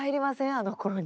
あのころに。